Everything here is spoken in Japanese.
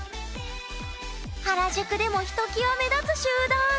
原宿でもひときわ目立つ集団。